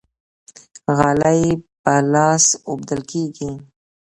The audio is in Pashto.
غالۍ په لاس اوبدل کیږي.